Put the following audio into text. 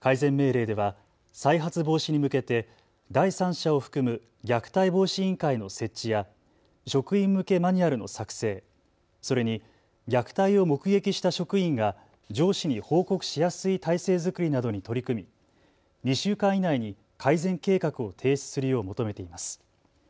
改善命令では再発防止に向けて第三者を含む虐待防止委員会の設置や職員向けマニュアルの作成、それに虐待を目撃した職員が上司に報告しやすい体制づくりなどに取り組み２週間以内に改善計画を提出するよう求めています。